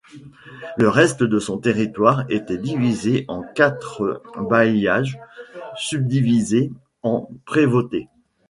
Le reste de son territoire était divisé en quatre bailliages, subdivisés en prévôtés.